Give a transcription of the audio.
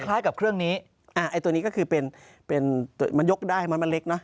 คล้ายกับเครื่องนี้ไอ้ตัวนี้ก็คือเป็นเป็นมันยกได้มันเล็กเนอ